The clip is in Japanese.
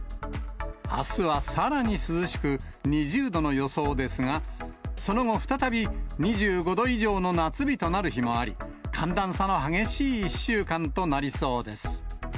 あすはさらに涼しく、２０度の予想ですが、その後、再び２５度以上の夏日となる日もあり、寒暖差の激しい１週間となりそうです。